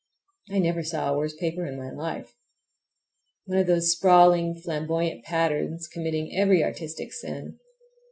I never saw a worse paper in my life. One of those sprawling flamboyant patterns committing every artistic sin.